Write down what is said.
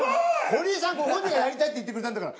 堀井さんご本人がやりたいって言ってくれたんだから。